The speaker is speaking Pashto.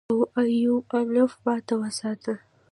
او ايوانوف ماته وساته.